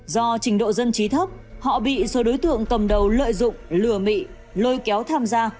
do trình độ dân trí thấp họ bị số đối tượng cầm đầu lợi dụng lừa mị lôi kéo tham gia